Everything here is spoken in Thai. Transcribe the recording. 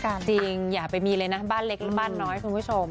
กันหน่อยคุณผู้ชม